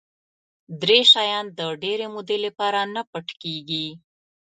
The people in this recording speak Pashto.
درې شیان د ډېرې مودې لپاره نه پټ کېږي.